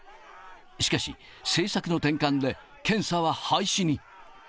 しかし、政策の転換で、検査は廃止に。